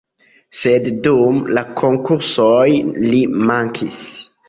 Sed dum la konkursoj li mankis.